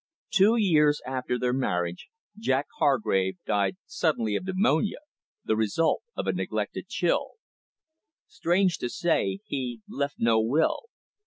Two years after their marriage, Jack Hargrave died suddenly of pneumonia, the result of a neglected chill. Strange to say, he left no will.